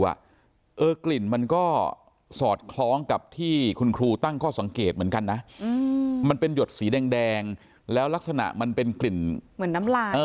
เหมือนน้ำลาย